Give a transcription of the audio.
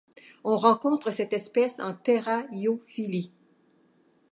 On rencontre cette espèce en terrariophilie.